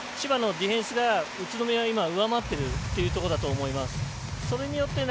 千葉のディフェンスが宇都宮は上回ってるというところだと思います。